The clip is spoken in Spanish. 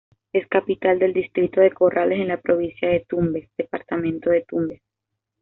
Es capital del distrito de Corrales en la provincia de Tumbes, departamento de Tumbes.